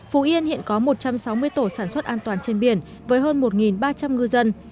phú yên hiện có một trăm sáu mươi tổ sản xuất an toàn trên biển với hơn một ba trăm linh ngư dân